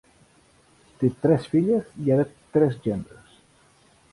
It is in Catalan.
Té tres filles i ara tres gendres.